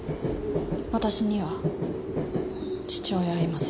私には父親はいません。